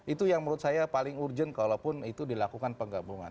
itu yang menurut saya paling urgent kalaupun itu dilakukan penggabungan